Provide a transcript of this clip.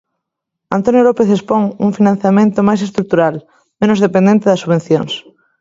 Antonio López expón un financiamento máis estrutural, menos dependente das subvencións.